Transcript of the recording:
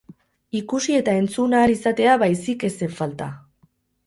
Ikusi eta entzun ahal izatea baizik ez zen falta.